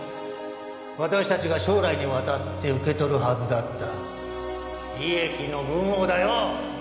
私たちが将来にわたって受け取るはずだった利益の分をだよ！